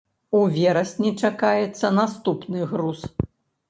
У верасні чакаецца наступны груз.